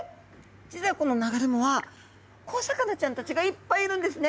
実はこの流れ藻は小魚ちゃんたちがいっぱいいるんですね。